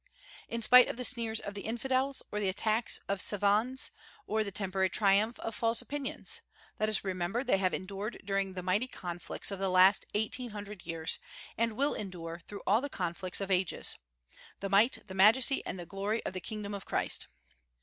In spite of the sneers of the infidels, or the attacks of savans, or the temporary triumph of false opinions, let us remember they have endured during the mighty conflicts of the last eighteen hundred years, and will endure through all the conflicts of ages, the might, the majesty, and the glory of the kingdom of Christ.